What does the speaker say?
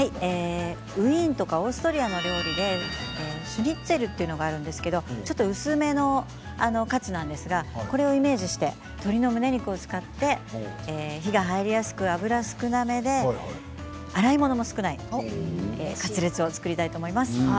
ウィーンやオーストリアの料理で、シュニッツェルというのがあるんですけれどもちょっと薄めのカツなんですがこれをイメージして鶏のむね肉を使って、火が入りやすく油少なめで洗い物も少ないカツレツを作りたいと思います。